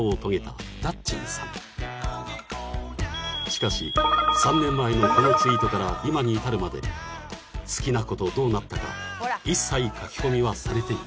［しかし３年前のこのツイートから今に至るまで好きな子とどうなったか一切書き込みはされていません］